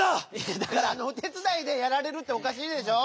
いやだからおてつだいで「やられる」っておかしいでしょ？